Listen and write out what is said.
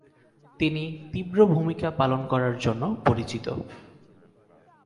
তিনি তীব্র ভূমিকা পালন করার জন্য পরিচিত।